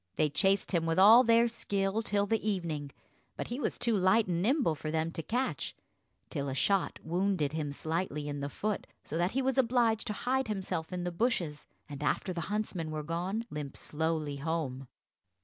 They chased him with all their skill till the evening; but he was too light and nimble for them to catch, till a shot wounded him slightly in the foot, so that he was obliged to hide himself in the bushes, and, after the huntsmen were gone, limp slowly home.